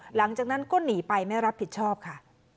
หลังจากนั้นก็หนีไปไม่รับผิดชอบค่ะ